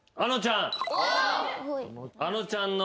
あのちゃんの解答